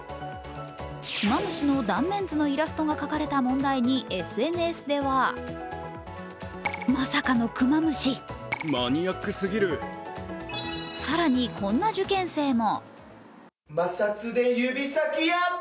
クマムシの断面図のイラストが描かれた問題にＳＮＳでは更に、こんな受験生も。